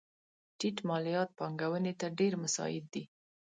ټیټ مالیات پانګونې ته ډېر مساعد دي.